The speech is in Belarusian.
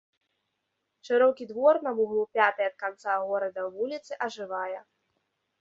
Шырокі двор на вуглу пятай ад канца горада вуліцы ажывае.